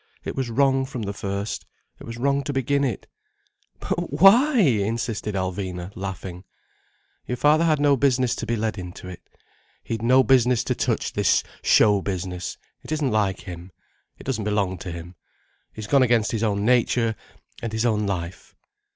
It was wrong from the first. It was wrong to begin it." "But why?" insisted Alvina, laughing. "Your father had no business to be led into it. He'd no business to touch this show business. It isn't like him. It doesn't belong to him. He's gone against his own nature and his own life."